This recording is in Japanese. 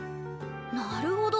なるほど。